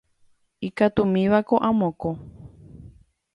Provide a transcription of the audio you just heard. Ikatumívako amokõ.